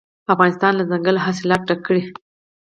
افغانستان له دځنګل حاصلات ډک دی.